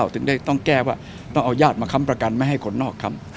ถึงได้ต้องแก้ว่าต้องเอาญาติมาค้ำประกันไม่ให้คนนอกคำ